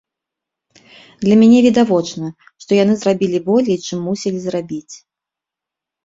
Для мяне відавочна, што яны зрабілі болей, чым мусілі зрабіць.